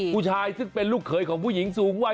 ผู้ชายซึ่งเป็นลูกเขยของผู้หญิงสูงวัย